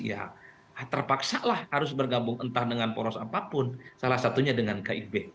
ya terpaksalah harus bergabung entah dengan poros apapun salah satunya dengan kib